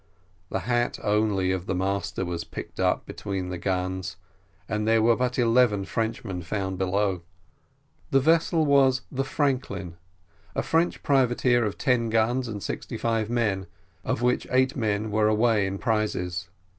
The hat only of the master was picked up between the guns, and there were but eleven Frenchmen found below. The vessel was the Franklin, a French privateer, of ten guns and sixty five men, of which eight men were away in prizes.